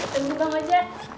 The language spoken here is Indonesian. tunggu bang aja